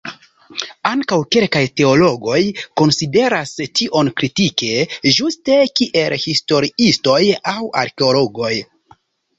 Ankaŭ kelkaj teologoj konsideras tion kritike, ĝuste kiel historiistoj aŭ arkeologoj.